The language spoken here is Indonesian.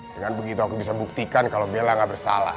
dengan begitu aku bisa buktikan kalau bella gak bersalah